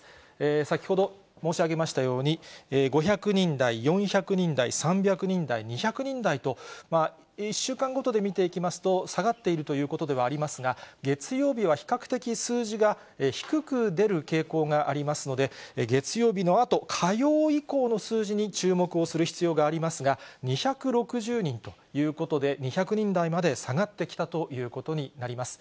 先ほど申し上げましたように、５００人台、４００人台、３００人台、２００人台と、１週間ごとで見ていきますと、下がっているということではありますが、月曜日は比較的、数字が低く出る傾向がありますので、月曜日のあと、火曜以降の数字に注目をする必要がありますが、２６０人ということで、２００人台まで下がってきたということになります。